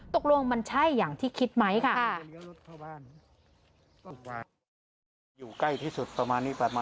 ตกลงมันใช่อย่างที่คิดไหมค่ะ